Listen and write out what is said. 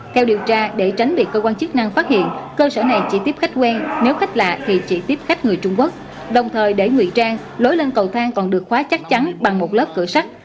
theo điều tra để tránh bị cơ quan chức năng phát hiện cơ sở này chỉ tiếp khách quen nếu khách lạ thì chỉ tiếp khách người trung quốc đồng thời để nguy trang lối lên cầu thang còn được khóa chắc chắn bằng một lớp cửa sắt